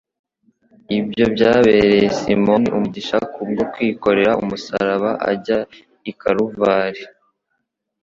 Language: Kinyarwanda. Ibyo byabereye Simoni umugisha kubwo kwikorera umusaraba ajya i Kaluvari